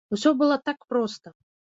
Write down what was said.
Усё было так проста.